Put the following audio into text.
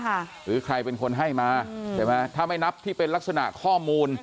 หรือใครเป็นคนให้มาใช่ไหมถ้าไม่นับที่เป็นลักษณะข้อมูล